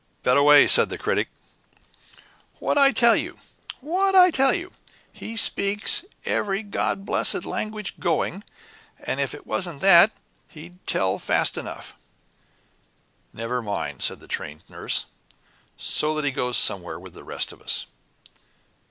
"Bet away," said the Critic. "What'd I tell you what'd I tell you? He speaks every God blessed language going, and if it wasn't that, he'd tell fast enough." "Never mind," said the Trained Nurse, "so that he goes somewhere with the rest of us."